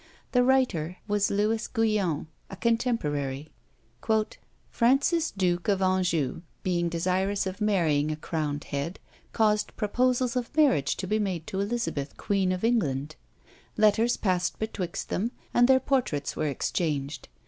The writer was Lewis Guyon, a contemporary. "Francis Duke of Anjou, being desirous of marrying a crowned head, caused proposals of marriage to be made to Elizabeth, queen of England. Letters passed betwixt them, and their portraits were exchanged.